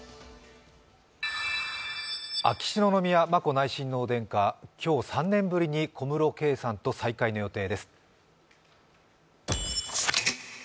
秋篠宮眞子内親王殿下、今日、３年ぶりに小室圭さんと再会の予定です。